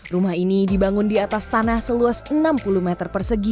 rumah ini dibangun di atas tanah seluas enam puluh meter persegi